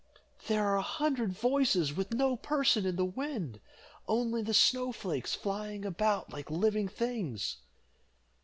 "There are a hundred voices, but no person is without, only the snow flakes flying about like living things."